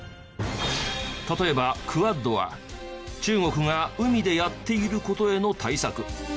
例えばＱＵＡＤは中国が海でやっている事への対策。